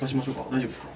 大丈夫ですか？